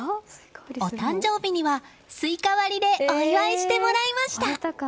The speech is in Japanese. お誕生日にはスイカ割りでお祝いしてもらいました。